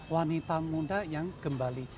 wanita muda yang kembali